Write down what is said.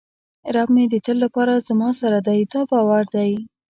رب مې د تل لپاره زما سره دی دا باور دی.